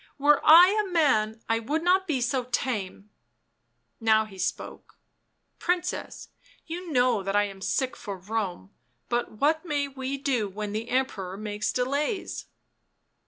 " Were I a man I would not be so tame." How he spoke. " Princess, you know that I am sick for Rome, but what may we do when the Emperor makes delays